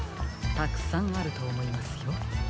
たくさんあるとおもいますよ。